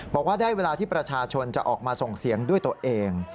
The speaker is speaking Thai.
บอกว่าได้เวลาที่ประชาชนจะออกมาส่งเสียงด้วยตัวเอง